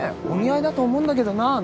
お似合いだと思うんだけどな。